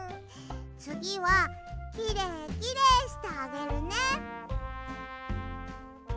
つぎはきれいきれいしてあげるね。